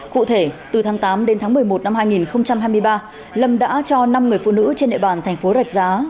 cụ thể từ tháng tám đến tháng một mươi một năm hai nghìn hai mươi ba lâm đã cho năm người phụ nữ trên nội bàn tp rạch giá